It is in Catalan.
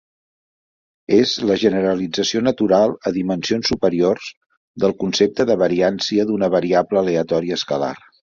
És la generalització natural a dimensions superiors del concepte de variància d'una variable aleatòria escalar.